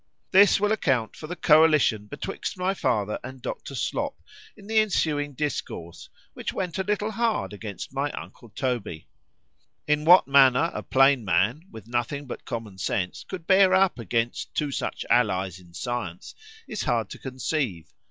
This will account for the coalition betwixt my father and Dr. Slop, in the ensuing discourse, which went a little hard against my uncle Toby.——In what manner a plain man, with nothing but common sense, could bear up against two such allies in science,—is hard to conceive.